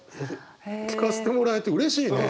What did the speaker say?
聞かせてもらえてうれしいね。